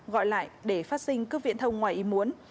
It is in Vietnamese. gọi lại để phát sinh cướp viện thông ngoài ý muốn